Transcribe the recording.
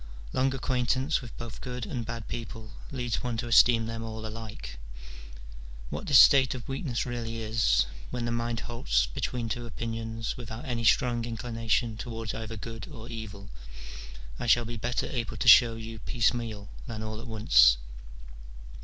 Long acquaintance with both good and bad people leads one to esteem them all alike. What this state of weakness really is, when the mind halts between two opinions without any strong inclination towards either good or evil, I shall be better able to show you piecemeal than all at once.